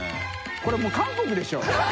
これもう韓国でしょ。